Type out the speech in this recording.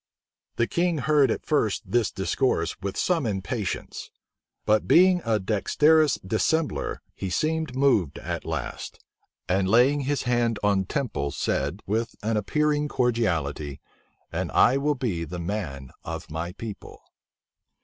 The king heard at first this discourse with some impatience; but being a dexterous dissembler, he seemed moved at last, and laying his hand on Temple's, said, with an appearing cordiality, "And I will be the man of my people."